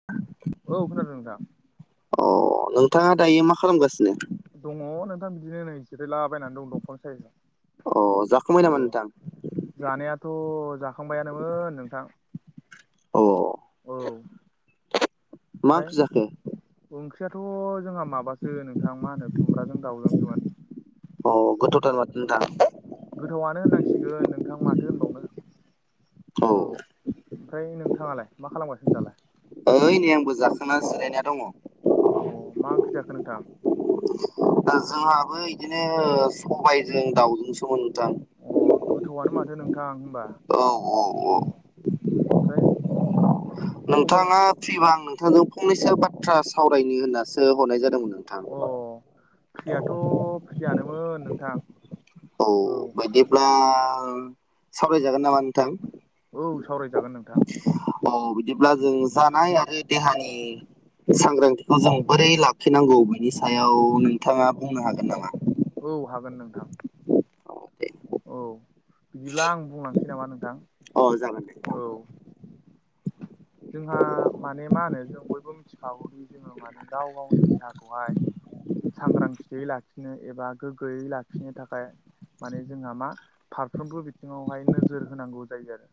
[inaudible] औ खोनादों नोंथां अ नोंथाङा दायो मा खालामगासिनो दङ नोंथां बिदिनो नै जिरोलाबायनानै दं दंफां सायआव अ ज खमायना मान थां जानायाथ' जाखांबायानोमोन नोंथां। अ औ मा ओंख्रि जाखो ओंख्रियाथ' जोंहा माबासो नोंथां मा होनो खुमब्राजों दाउजोंसोमोन। अ गोथाव थार माथो नोंथां औ गोथावआनो होननांसिगोन नोंथां माथो होनबावनो औ ओमफ्राय नोंथाङालाय मा खालामगासिनो दालाय ओइ नै आंबो जाखोना जिरायनाय दङ अ मा ओंख्रि जाखो नोंथां दा जोंहाबो बिदिनो सबायजों दाउजों सोमोनोथां अ गोथावआनो माथो नोंथां होनबा औ औ औ अ ओमफ्राय खबर नोंथाङा फ्रिबा आं नोंथांजों फंनैसो बाथ्रा सावरायनो होननासो हरनाय जादोंमोन नों अ फयाथ' फ्रियानोमोन नोंथां औ बेदिब्ला सावरायजागोन नामा नोंथां। औ सावरायजागोन नोंथां औ बिदिब्ला जों जानाय आरो देहानि सांग्रांथिखौ जों बोरै लाखिनांगौ बेनि सायाव नोंथाङा बुंनो हागोन नामा? औ हागोन नोंथां औ बिदिब्ला आं बुंलांसै नामा नोंथां अ जागोन न औ जोंहा माने मा होनो जों बयबो मिथिखागौदि जोङो माने गाव गावनि देहाखौहाय सांग्रांथियै लाखिनो एबा गोग्गोयै लाखिनो थाखाय माने जोंहा मा फारफ्रोमबो बिथिङावहाय नोजोर होनांगौ जायो आरो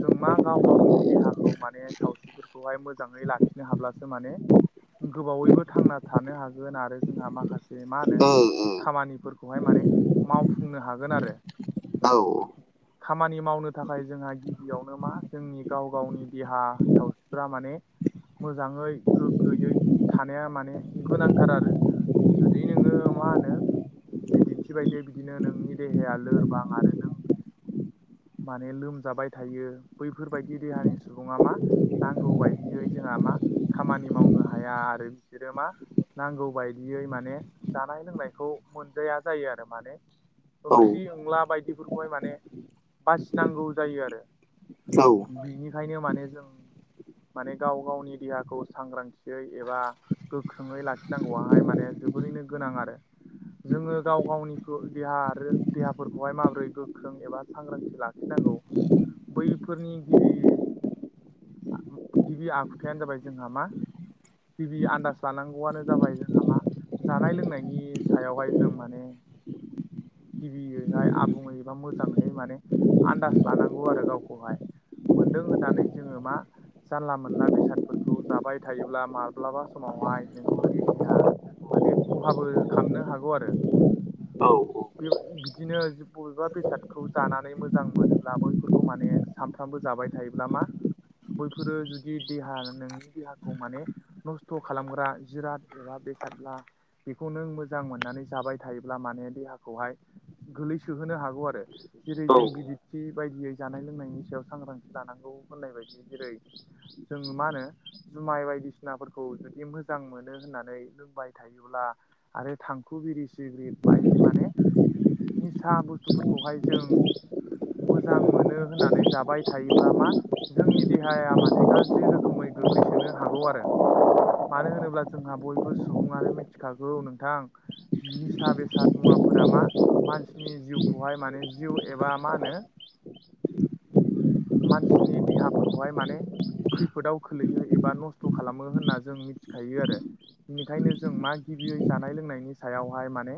जों मा गाव गावनि देहाखौ खौ माने सावस्रिफोरखौहाय मोजाङै लाखिनो हाब्लासो माने गोबावैबो थांना थानो हागोन आरो जोंहा माखासे मा दे होनो ओ खामानिफोरखौहाय माने मावफुंनो हागोन आरो औ खामानि मावनो थाखाय जोंहा गिबियावनो मा जोंनि गाव गावनि देहा सावस्रिफा माने मोजाङै गोग्गोयै थानाया माने गोनांथार आरो जुदि नोङो मा होनो बिदिन्थि बायदियै बिदिनो नोंनि देहाया लोरबां आरो नों माने लोमजाबाय थायो बैफोरबायदि देहानि सुबुङा मा नांगौ बायदियै जोंहा मा खामानि मावनो हाया आरो बिसोरो मा नांगौ बायदियै माने जानाय लोंनायखौ मोनजाया जायो आरो माने औ ओंख्रि अनला बायदिफोरखौहाय माने बासिनांगौ जायो आरो औ बिनिखायनो माने जों माने गाव गावनि देहाखौ सांग्रांथियै एबा गोख्रोङै लाखिनांगौआाहाय माने जोबोरैनो गोनां आरो जोङो गाव गावनिखौ देहा आरो देहाफोरखौहाय माबोरै गोख्रों एबा सांग्रांथि लाख नांगौ बैफोरनि गिबि गिबि आखुथायानो जाबाय जोंहा मा गिबि आन्दाज लानांगौआनो जाबाय जोंहा मा जानाय लोंनायनि सायावहाय जों माने गिबियैहाय आबुङै बा मोजाङै माने आन्दास लानांगौ आरो गावखौहाय मोनदों होननानै जोङो मा जानला मोनला बेसादफोरखौ जाबाय थायोब्ला माब्लाबा समावहाय नोंनि देहाया माने खहाबो खालामनो हागौ आरो औ बे बिदिनो बबेबा बेसादखौ जानानै मोजां मोनोब्ला बयफोर खौ माने सानफ्रामबो जाबाय थायोब्ला मा बैफोरो जुदि देहा नोंनि देहाखौ माने नस्थ' खालामग्रा जिराद एबा बेसादब्ला बेखौ नों मोजां मोननानै जाबाय थायोब्ला माने देहाखौहाय गोलैसोहोनो हागौ आरो जेरै जों औ बििदिरथि बायदियै जानाय लोंनायनि सायाव सांग्रांथि लानांगौ होननाय बायदि जेरै जो मा होनो जुमाय बायदिसिनाफोरखौ जुदि मोजां मोनो होननानै लोंबाय थायो ब्ला आरो थांखु बिरि सिग्रेट बायदि माने निसा बुस्थुफोरखौहाय जों मोजां मोनो होननानै जाबाय थायोब्ला मा जोंनि देहाया माने गाज्रि रोखोमै गोग्लैसोनो हागौ आरो मानो होनोब्ला जोंहा बयबो सुबुङानो मिथिखागौ नोंथां निसा बेसाद मुवाफोरा मा मानसिनि जिउखौहाय माने जिउ एबा मा होनो मानसिनि देहाफोरखौहाय माने खैफोदाव खोलैयो एबा नस्थ' खालामो होनना जों मिथिखायो आरो बेनिखायनो जों मा गिबियै जानाय लोंनायनि सायावहाय माने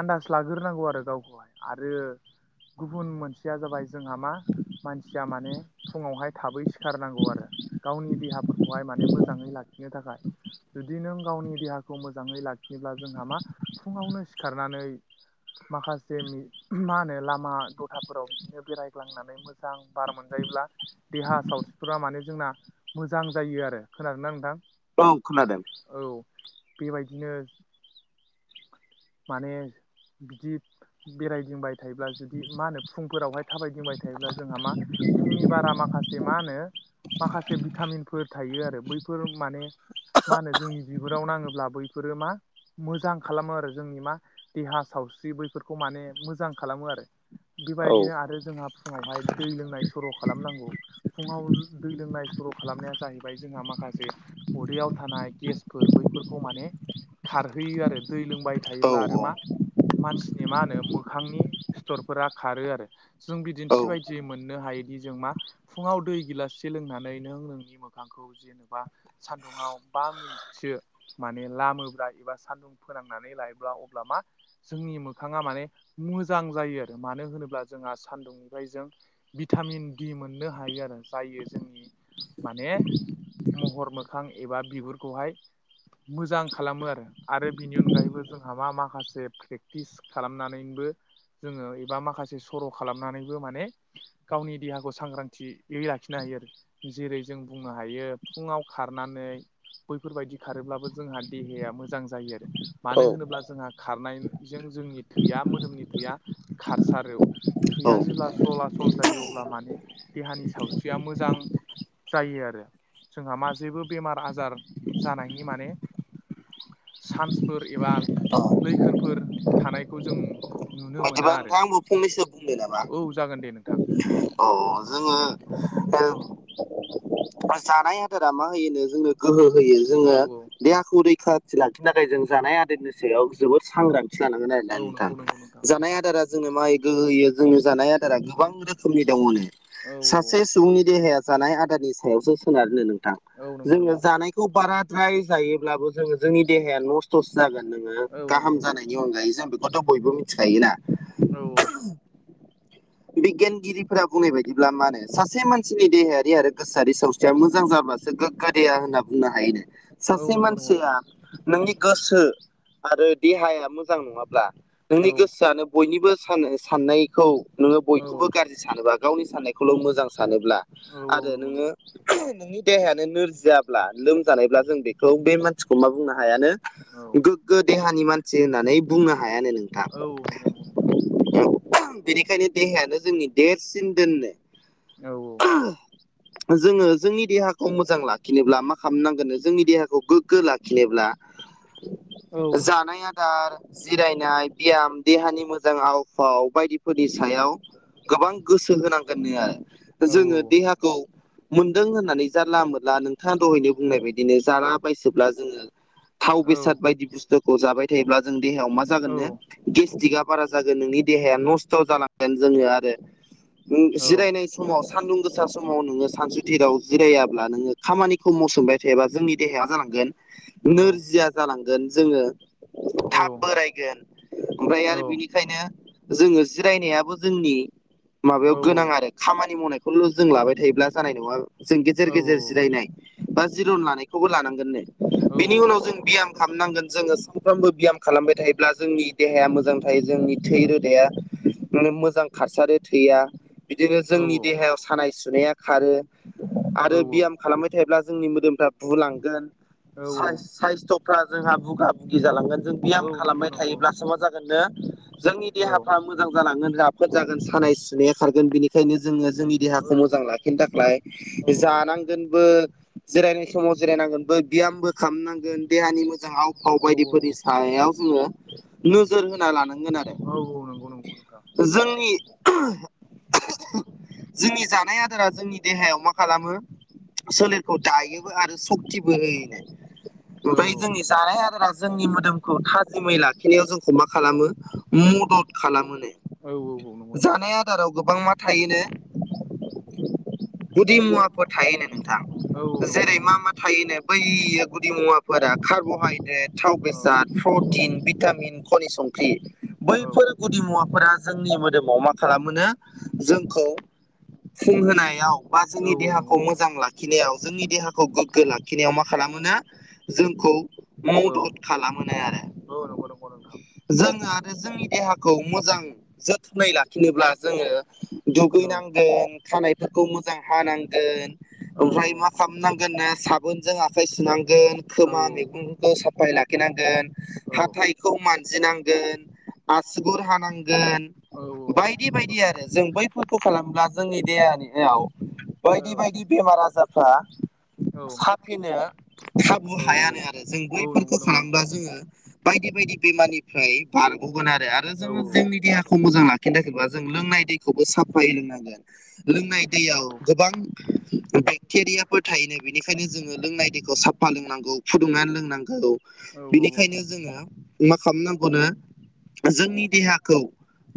आन्दास लाग्रोनांगौ आरो गावखौहाय आरो गुबुन मोनसेया जाबाय जोंहा मा मानसिया माने फुङावहाय थाबै सिखारनांगौ आरो गावनि देहाफोरखौहाय माने मोजाङै लाखिनो थाखाय जुदि नों गावनि देहाखौ मोजाङै लाखियोब्ला जोंहा मा फुङावनो सिखारनानै माखासे मा होनो लामा दथाफोराव बिदिनो बेरायग्लांनानै मोजां मोजां बार मोनजायोब्ला देहा सावस्रिफोरा माने जोंना मोजां जायो आरो खोनादों ना नोंथां औ खुना दं औ बेबायदिनो माने बिदि बेरायदिंबाय थायोब्ला जुदि मा होनो फुंफोरावहाय थाबायदिंबाय थायोब्ला जोंहा मा फुंनि बारा माखासे मा होनो माखासे भिटामिनफोर थायो आरो बैफोर माने मा होनो जोंनि बिबाराव नाङोब्ला बैफोरो मा मोजां खालामो आरो जोंनि मा देहा सावस्रि बैफोरखौ माने मोजां खालामो आरो औ बेबायदिनो आरो जोंहा फुङावहाय दै लोंनाय सर' खालामनांगौ फुङाव दै लोंनाय सर' खालामनाया जाहैबाय जोंहा माखासे उदैयाव थानाय गेसफोर बैफोरखौ माने खारहैयो आरो दै लोंबाय औ थायोब्ला आरो मा मानसिनि मा होनो मोखांनि सिथरफोरा खारो आरो जों बिदिन्थि बाय दि मोननो हायोदि जों मा फुङाव दै गिलाससे लोंनानै नों नोंनि मोखांखौ जेनेबा सान्दुुंाव बा मि खाो माने लामोब्ला एबा सान्दुं फोनांनानै लायोब्ला अब्ला मा जोंनि मोखाङा माने मोजां जायो आरो मानो होनोब्ला जोंहा सान्दुंनिफ्राय जों भिटामिन दि मोननो हायो आरो जायो जोंनि माने महर मोखां एबा बिगुरखौहाय मोजां खालामो आरो। आरो बिनि अनगायैबो जोंहा मा माखासे प्रेक्टिस खालामनानैबो जोङो एबा माखासे सर' खालामनानैबो माने गावनि देहाखौ सांग्रांथियै लाखिनो हायो आरो जेरै जों बुंनो हायो फुङाव खारनानै बैफोरबायदि खारोब्लाबो जोंहा देहाया मोजां जायो आरो औ मानो होनोब्ला जोंहा खारनायजों जोंनि थैया मोदोमनि थैया खारसारो। थैया औ जेब्ला सला सल जायो अब्ला माने देहानि सावस्रिया मोजां जायो आरो जोंहा मा जेबो बेमार आजार जानायनि माने चान्सफोर एबा लैखोनफोर थानायखौ जों नुनो बिदिबा मोना आरो नोंथां आंबो फंनैसो बुंनो नामा औ जागोन दे नों औ जोङो ओ दा जानाय आदारा मा होयोनो जोंनो गोहो होयो औ जोङो औ देहाखौ रैखाथि लाखिनो थाखाय जों जानाय आदारनि सायाव जोबोद सांग्रां जानांगोन आरो ना औ नोंथां। नंगौ नोंथां जानाय आदारा जोंनो मा होयो गोहो होयो जोंनो जानाय आ गोबां रोखोमनि दङ'नो औ सासे सुबुंनि देहाया जानाय आदारनि सायावसो सोनारोनो नोंथां औ नंगौ जोंनो नंगौ जानाय खौ बाराद्राय जायोब्लाबो जोङो जोंनि देहाया नस थ'स जागोन नोङो औ नंगौ गाहाम नंगौ जानायनि नोंथां अनगायै जों बेखौथ' बयबो मिथिखायो ना। औ और। बिगियानगिरिफोरा बुंनाय बायदिब्ला मा होनो सासे मानसिनि देहायारि आरो गोसोआरि सावस्रिया मोजां जाब्ला सो गोग्गा देहा होनना बुंनो हायोनो। औ औ सासे नंगौ नंगौ मानसिया नोंथां नोंनि गोसो आरो देहाया मोजां नङाब्ला नोंनि औ गोस सोआनो बयनिबो सान साननायखौ नोङो औ बयखौबो गाज्रि सानोबा गावनि साननायखौल' मोजां सानोब्ला औ औ आरो नंगौ नोङो नंगौ नोंनि देहायानो नोरजियाब्ला लोमजानायब्ला जों बेखौ बे मानसिखौ मा बुंनो हायानो औ गोग्गो देहानि मानसि होननानै बुंनो हायानो नों औ नंगौ नंगौ नोंथां। बेनिखायनो देहायानो जोंनि देरसिन दोननो। औ औ। जोङो जोंनि देहाखौ मोजां लाखिनोब्ला मा खामनांगोननो जोंनि देहाखौ गोग्गो लाखिनोब्ला औ जानाय आ दार जिरायनाय बियाम देहानि मोजां आव फाव बायदिफोरनि सायाव गोबां गोसो होनांगोननो औ जोङो देहा खौ मोनदों होननानै जारला मोनला नोंथाङा दहायनो बुंनाय बायदिनो जाला बायसोब्ला जोङो थाव औ बेसाद बायदि बुस्थुखौ जाबाय थायोब्ला जों देहायाव मा जागोननो गेस्ट्रिकआ बारा जागोन नोंनि देहाया नस्थ' जालांगोन जोंनिया आरो उम जिरायनाय समाव सान्दुं गोसा समाव नोङो सानसुथिराव जिरायाब्ला नोङो खामानिखौ मावसोमबाय थायोबा जोंनि देहाया जालांगोन नोरजिया जालांगोन जोङो थाब औ बोरायगोन। ओमफ्राय आरो बिनिखायनो जोङो जिरायनायाबो जोंनि माबायाव गोनां आरो। खामानि मावनायखौल' जों लाबाय थायोब्ला जानाय नङा जों गेजेर गेजेर जिरायनाय बा जिरन लानायखौबो लानांगोननो बिनि उनाव जों बियाम खामनांगोन जोङो सानफ्रामबो बियाम खालामबाय थायोब्ला जोंनि देहाया मोजां थायो जोंनि थै रोदाया माने मोजां खारसारो थैया। बिदिनो जोंनि देहायाव सानाय सुनाया खारो आरो बियाम खालामबाय थायोब्ला जोंनि मोदोमफ्रा बुलांगोन औ औ साइस साइसथ' फ्रा जोंहा बुगा बुगि जालांगोन जों औ ब्याम नंगौ खालामबाय नंगौ। [unintelligible] जागोननो जोंनि औ देहाफ्रा मोजां जालांगोन राफोद जागोन सानाय सुनाया खारगोन बेनिखायनो जोङो जोंनि देहाखौ औ मोजां लाखिनो थाखाय औ औ जानांगोनबो जिरायनाय समाव जिरायनांगोनबो बियामबो खामनांगोन देहानि मोजां आव फाव औ बायदिफोरनि सायाव जोङो। नोजोर होना लानांगोन आरो। औ नंगौ नंगौ नोंथां। जोंनि जोंनि जानाय आदारा जोंनि देहायाव मा खालामो? सोलेरखौ दायोबो आरो सक्तिबो होयोनो। औ ओमफ्राय जोंनि जानाय आदारा जोंनि मोदोमखौ थाजिमै लाखिनायाव जों मा खालामो मदद खालामोनो औ औ नंगौ नोंथां जानाय आ दाराव गोबां मा थायोनो गुदि मुवाफोर थायोनो नोंथां। औ औ नंगौ नंगौ जेरै-मा मा नोंथां थायोनो बैयो गुदि मुवाफोरा कार्ब'हाइद्रे ड थाव औ बेसाद प्रटिन भिटामिन खनि संख्रि औ बैफोर गुदि मुवाफोरा जोंनि मोदोमाव मा खालामोनो जोंखौ फुं होनायाव बा जोंनि औ नंगौ देहाखौ नंगौ मोजां लाखि खिनायाव जोंनि देहाखौ गोग्गो लाखिनायाव मा खालामोनो जोंखौ औ मदद खालामोनो आरो। औ नंगौ नंगौ नोंथां जोङो आरो जोंनि देहाखौ मोजां जोथोनै लाखिनोब्ला जोङो औ दुगैनांगोन खानायफोरखौ मोजां हानांगोन औ ओमफाय मा खालामनांगोन नो साबोनजों आखाय सुनांगोन औ खोमा औ मैगंफोरखौ साफाय लाखि नांगोन। औ। बेखौ मानजिनांगोन आसुगुर हानांगोन। औ औ नंगौ बायदि बायदि आरो जों बैफोरखौ खालामोब्ला जोंनि देहानियाव नोंथां औ बायदि बायदि बेमार आजारफ्रा औ साफिनो खाबु हायानो आरो जों बैफोरखौ खालामब्ला जोङो बायदि बायदि बेमारनिफ्राय बारग'गोन आरो। आरो जोङो जोंनि देहाखौ मोजां लाखिनो थाखायबा जों लोंनाय दैखौबो साफ फायै लोंनांगोन। लोंनाय दैयाव गोबां बेक्टेरियाफोर थायोनो बेनिखायनो जोङो लोंनाय दैखौ साब फा लोंनांगौ फुदुंनानै लोंनांगौ बिनिखायनो जोङो मा खालामनांगौनो जोंनि देहाखौ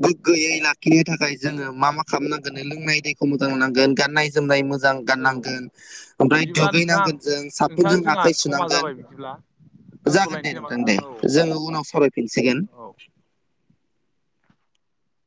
गोग्गोयै लाखिनो थाखाय जोङो मा मा खालामनांगोननो लोंनाय दैखौ मोजां लोंनांगोन गाननाय जोमनाय मोजां गाननांगोन। ओमफ्राय बिदिब्ला नोंथां दुगैनांगोन जों नोंथां सााबफुनजों जोंहा आखाय समा सुनांगोन। जाबाय बिदिब्ला जागोन दे दोनथ'लायनोसै नामा नोंथां दे औ जोङो उनाव सावरायफिनसिगोन। औ।